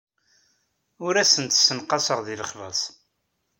Ur asent-ssenqaseɣ deg lexlaṣ.